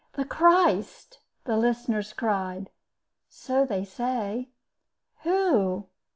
"The Christ!" the listeners cried. "So they say." "Who?"